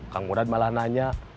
kang murad malah nanya